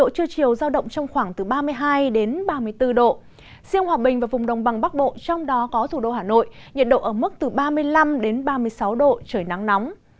riêng hòa bình và vùng đồng bằng bắc bộ trong đó có thủ đô hà nội nhiệt độ ở mức từ ba mươi năm ba mươi sáu độ trời nắng nóng